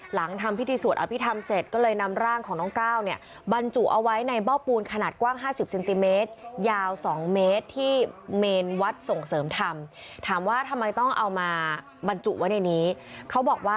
หลังทำพิธีสวดอภิษฐรรมเสร็จก็เลยนำร่างของน้องก้าว